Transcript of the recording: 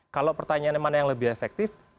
kalau pertanyaannya mana yang lebih efektif